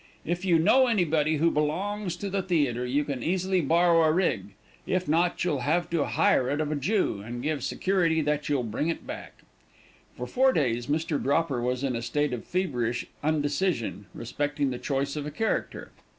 If you know anybody who belongs to the theatre, you can easily borrow a rig; if not, you'll have to hire it of a Jew, and give security that you'll bring it back." For four days Mr. Dropper was in a state of feverish undecision respecting his choice of a character.